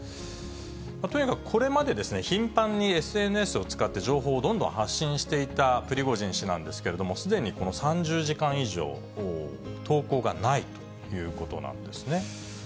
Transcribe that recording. とにかくこれまで頻繁にＳＮＳを使って、情報をどんどん発信していたプリゴジン氏なんですけれども、すでにこの３０時間以上、投稿がないということなんですね。